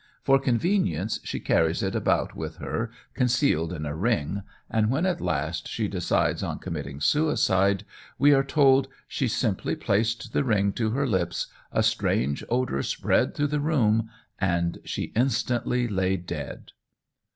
For convenience she carries it about with her concealed in a ring, and when at last she decides on committing suicide, we are told "she simply placed the ring to her lips, a strange odour spread through the room, and she instantly lay dead."